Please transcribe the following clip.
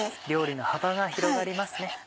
料理の幅が広がりますね。